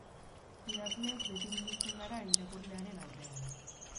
Idazleok beti biluzten gara irakurlearen aurrean.